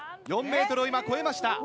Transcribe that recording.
４ｍを今超えました。